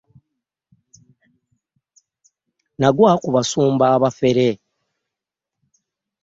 Nagwa ku basumba abafere.